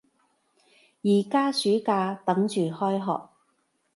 而家暑假，等住開學